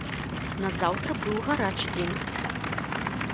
Назаўтра быў гарачы дзень.